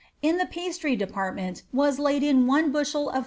In the pastry department was laid in out ' Losely MSS.